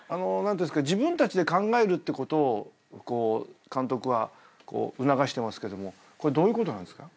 自分たちで考えるってことを監督は促してますけどもこれどういうことなんですか？